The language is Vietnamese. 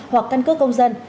hoặc căn cước công dân